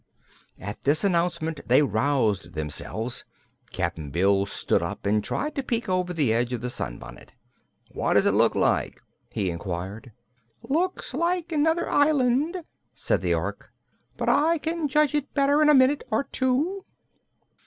At this announcement they roused themselves. Cap'n Bill stood up and tried to peek over the edge of the sunbonnet. "What does it look like?" he inquired. "Looks like another island," said the Ork; "but I can judge it better in a minute or two."